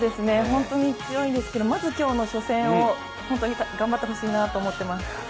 本当に強いんですけどまず今日の初戦を本当に頑張ってほしいなと思ってます。